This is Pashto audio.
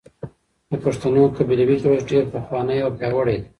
د پښتنو قبيلوي جوړښت ډېر پخوانی او پياوړی دی.